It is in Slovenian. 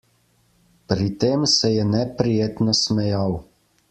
Pri tem se je neprijetno smejal.